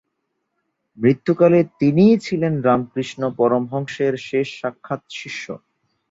মৃত্যুকালে তিনিই ছিলেন রামকৃষ্ণ পরমহংসের শেষ সাক্ষাৎশিষ্য।